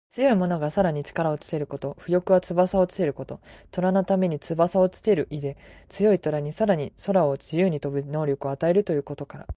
強いものがさらに力をつけること。「傅翼」はつばさをつけること。虎のためにつばさをつける意で、強い虎にさらに空を自由に飛ぶ能力を与えるということから。